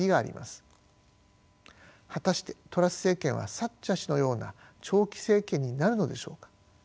果たしてトラス政権はサッチャー氏のような長期政権になるのでしょうか。